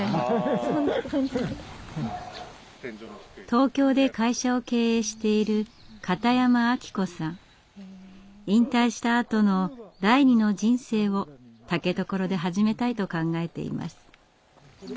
東京で会社を経営している引退したあとの第２の人生を竹所で始めたいと考えています。